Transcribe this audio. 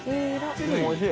おいしい。